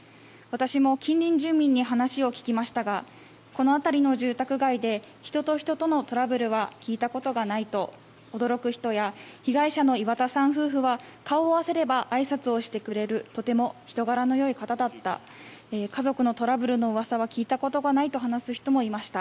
私も近隣住民に話を聞きましたがこの辺りの住宅街で人と人とのトラブルは聞いたことがないと驚く人や被害者の岩田さん夫婦は顔を合わせればあいさつをしてくれるとても人柄の良い方だった家族のトラブルの噂は聞いたことがないと話す人もいました。